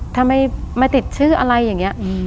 ทำไมมาติดชื่ออะไรอย่างนี้